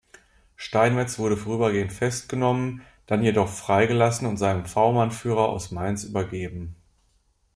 Steinmetz wurde vorübergehend festgenommen, dann jedoch freigelassen und seinem V-Mann-Führer aus Mainz übergeben.